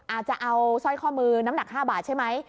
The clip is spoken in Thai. อาจจะเอาสร้อยข้อมือน้ำหนัก๕บาทใช่ไหม